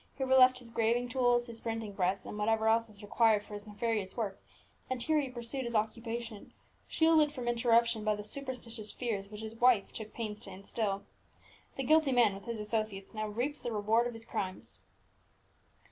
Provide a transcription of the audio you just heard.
Here were left his graving tools, his printing press, and whatever else was required for his nefarious work; and here he pursued his occupation, shielded from interruption by the superstitious fears which his wife took pains to instil. The guilty man, with his associates, now reaps the reward of his crimes."